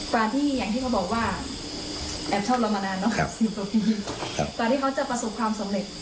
ที่อย่างที่เขาบอกว่าแอบชอบเรามานานเนอะกว่าที่เขาจะประสบความสำเร็จ